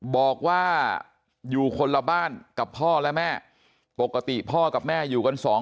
บอกว่าอยู่คนละบ้านกับพ่อและแม่ปกติพ่อกับแม่อยู่กันสองคน